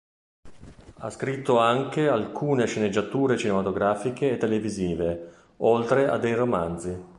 Ha scritto anche alcune sceneggiature cinematografiche e televisive, oltre a dei romanzi.